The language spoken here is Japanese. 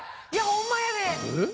ホンマやで！